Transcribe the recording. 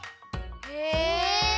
へえ。